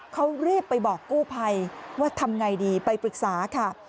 เขารีบไปบอกกู้ภัยว่าทำไงดีไปปรึกษาค่ะ